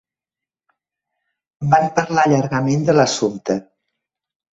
Van parlar llargament de l'assumpte.